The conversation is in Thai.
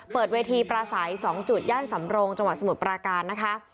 เปิดเวทีปราศัย๒จุดย่านสำรงจังหวัดสมุทรปราการนะคะ